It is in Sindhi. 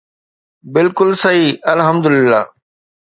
بلڪل صحيح الحمدلله